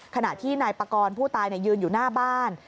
ขณะที่นายปากรผู้ตายยืนอยู่หน้าบ้าน